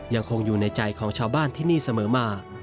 ยังคงอยู่ในใจของชาวบ้านที่นี่เสมอมา